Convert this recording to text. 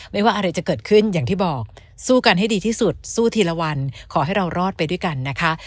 ว่าอะไรจะเกิดขึ้นอย่างที่บอกสู้กันให้ดีที่สุดสู้ทีละวันขอให้เรารอดไปด้วยกันนะคะ